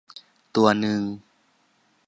ตัวนึง